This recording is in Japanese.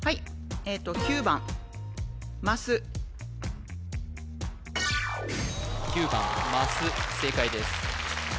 ええと９番ます正解です